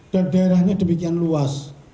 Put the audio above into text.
dan daerahnya demikian luas